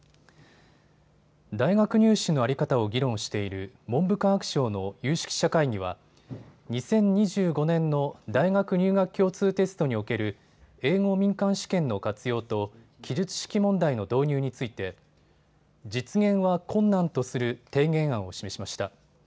大学入試の在り方を議論している文部科学省の有識者会議は２０２５年の大学入学共通テストにおける英語民間試験の活用と記述式問題の導入について実現は困難とする提言案を示しました。